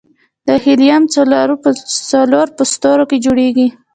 د هیلیم څلور په ستورو کې جوړېږي.